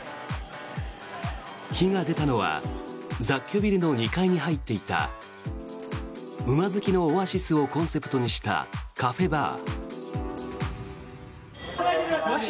火が出たのは雑居ビルの２階に入っていた馬好きのオアシスをコンセプトにしたカフェバー。